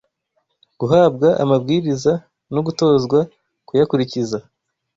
guhabwa amabwiriza no gutozwa kuyakurikiza